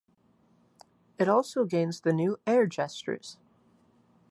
It also gains the new Air gestures.